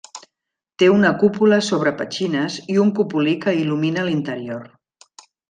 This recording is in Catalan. Té una cúpula sobre petxines i un cupulí que il·lumina l'interior.